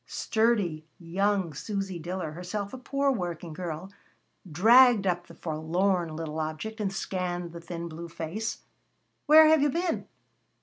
Sturdy young Susy Diller, herself a poor working girl, dragged up the forlorn little object and scanned the thin, blue face. "Where have you been?"